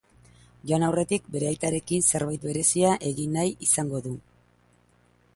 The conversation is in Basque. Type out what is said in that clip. Joan aurretik, bere aitarekin zerbait berezia egin nahi izango du.